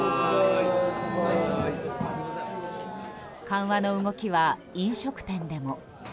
緩和の動きは飲食店でも。